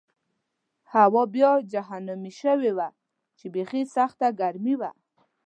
هوا بیا جهنمي شوې وه چې بېخي سخته ګرمي وه.